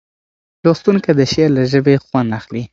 لوستونکی د شعر له ژبې خوند اخلي.